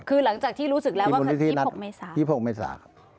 คือหลังจากที่รู้สึกแล้วว่าคือ๒๖เมษา๒๖เมษาครับ